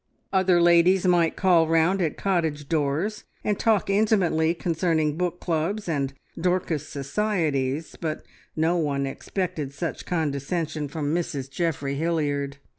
Other ladies might call round at cottage doors, and talk intimately concerning book clubs, and Dorcas societies, but no one expected such condescension from Mrs Geoffrey Hilliard.